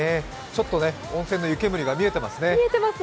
ちょっと温泉の湯煙が見えていますね。